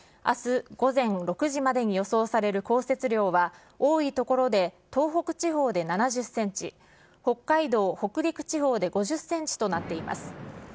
あす午前６時までに予想される降雪量は、多い所で東北地方で７０センチ、北海道、北陸地方で５０センチとなっています。